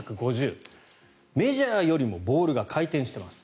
メジャーよりもボールが回転しています。